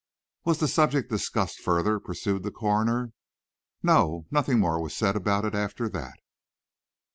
"Was the subject discussed further?" pursued the coroner. "No; nothing more was said about it after that."